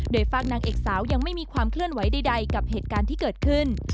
โดยฝากนางเอกสาวยังไม่มีความเคลื่อนไหวใดกับเหตุการณ์ที่เกิดขึ้น